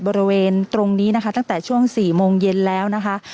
บริเวณตรงนี้นะคะตั้งแต่ช่วง๔โมงเย็นแล้วนะคะ